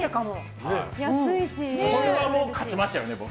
これはもう勝ちましたよね。